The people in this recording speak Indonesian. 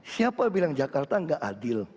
siapa bilang jakarta tidak adil